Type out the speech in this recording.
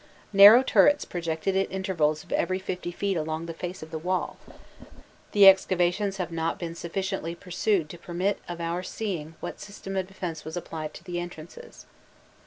Narrow turrets projected at intervals of every fifty feet along the face of the wall: the excavations have not been sufficiently pursued to permit of our seeing what system of defence was applied to the entrances.